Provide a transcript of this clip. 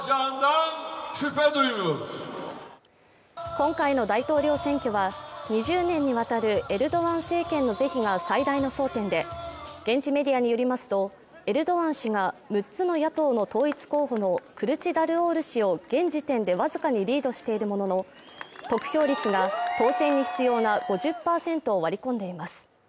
今回の大統領選挙は、２０年にわたるエルドアン政権の是非が最大の争点で、現地メディアによりますと、エルドアン氏が、六つの野党の統一候補のクルチダルオール氏を現時点でわずかにリードしているものの、得票率が当選に必要な５０％を割り込んでいます。